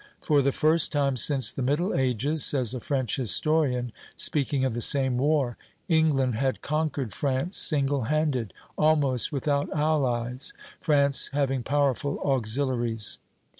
"For the first time since the Middle Ages," says a French historian, speaking of the same war, "England had conquered France single handed, almost without allies, France having powerful auxiliaries.